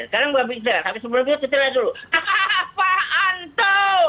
sekarang babiknya tapi sebelum itu kita lihat dulu